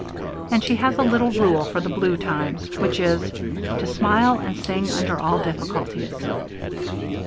And she has a little rule for the blue times, which is "to smile and sing under all difficulties."